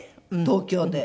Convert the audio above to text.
東京で。